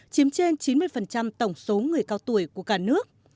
chiếm trên chín mươi tổng số người cao tuổi của cả nước